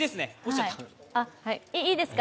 いいですか？